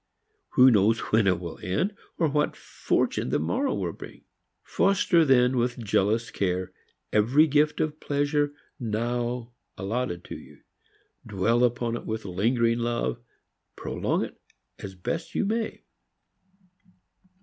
Who knows when it will end, or what fortune the morrow will bring? Foster, then, with jealous care every gift of pleasure now allotted to you, dwell upon it with lingering love, prolong it as best you may.